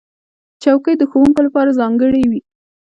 چوکۍ د ښوونکو لپاره ځانګړې وي.